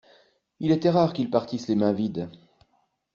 Il était rare qu'ils partissent les mains vides.